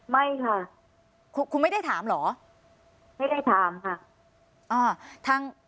ไม่ค่ะคุณไม่ได้ถามเหรอไม่ได้ถามค่ะ